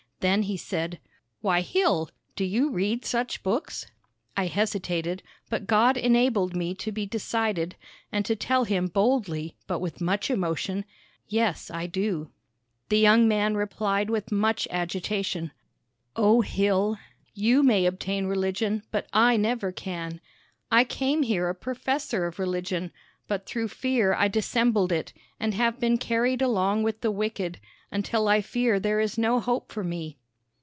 Then he said, "Why, Hill, do you read such books?" I hesitated, but God enabled me to be decided, and to tell him boldly, but with much emotion, "Yes, I do." The young man replied with much agitation: "O Hill, you may obtain religion, but I never can! I came here a professor of religion; but through fear I dissembled it, and have been carried along with the wicked, until I fear there is no hope for me."